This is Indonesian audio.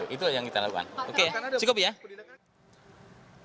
itu yang kita lakukan